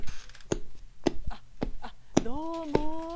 ああ、どうも。